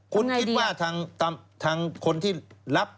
คุณคิดว่าทางคนที่รับ